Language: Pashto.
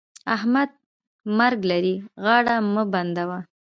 احمده! مرګ لرې؛ غاړه مه بندوه.